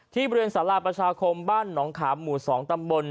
ที่บริเวณสำหรับประชาคมบ้านหงขาบหมู่สองตำบล